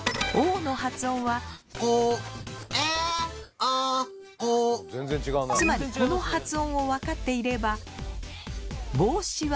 ａｕｏ．つまりこの発音を分かっていれば帽子は。